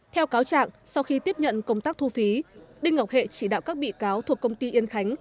theo cáo trạng sau khi tiếp nhận công tác thu phí đinh ngọc hệ chỉ đạo các bị cáo thuộc công ty yên khánh